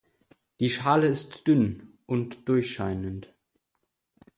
Die Schale ist dünn und durchscheinend.